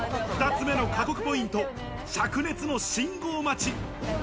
２つ目の過酷ポイント、灼熱の信号待ち。